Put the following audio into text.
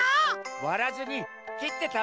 わらずにきってたべよう。